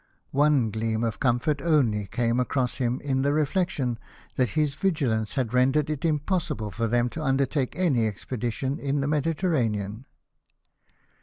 One gleam of comfort only came across him in the reflection that his vigilance had rendered it impossible for them to undertake any expedition in the Mediterranean.